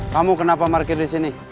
kamu kenapa parkir di sini